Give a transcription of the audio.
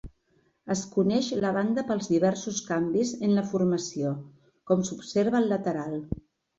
Es coneix la banda pels diversos canvis en la formació, com s'observa al lateral.